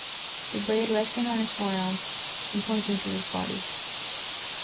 The blade resting on his forearm and pointing to his body.